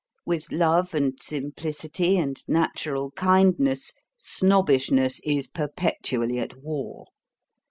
With love and simplicity and natural kindness Snobbishness is perpetually at war.